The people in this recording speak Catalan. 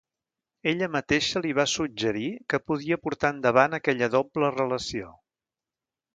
Ella mateixa li va suggerir que podia portar endavant aquella doble relació.